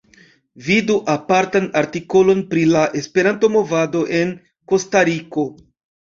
Vidu apartan artikolon pri la Esperanto-movado en Kostariko.